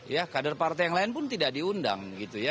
ya kader partai yang lain pun tidak diundang gitu ya